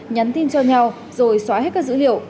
nhắn tin cho nhau rồi xóa hết các dữ liệu